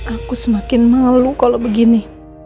aku semakin malu kalau begini